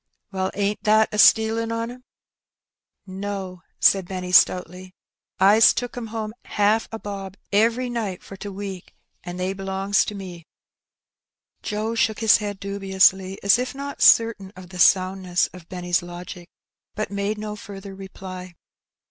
" Well, ain't that a stealin' on 'em ?"" No !" said Benny stoutly. '* I's tooked 'em home haaf a bob every night for t' week, and they b'longs to me." Joe shook his head dubiously as if not certain of the sound ness of Benny's logic, but made no further reply.